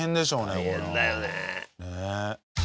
ねえ。